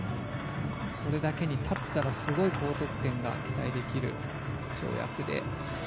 それだけに立ったらすごい高得点が期待できる跳躍で。